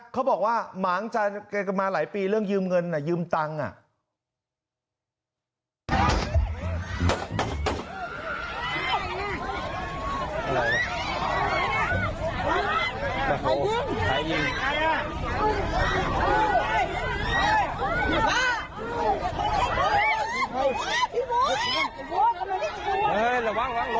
เขาบอกว่าหมางใจกันมาหลายปีเรื่องยืมเงินยืมตังค์